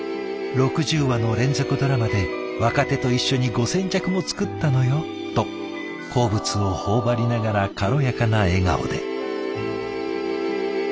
「６０話の連続ドラマで若手と一緒に５，０００着も作ったのよ」と好物を頬張りながら軽やかな笑顔で。